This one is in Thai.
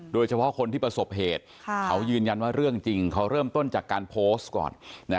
โดยเฉพาะคนที่ประสบเหตุเขายืนยันว่าเรื่องจริงเขาเริ่มต้นจากการโพสต์ก่อน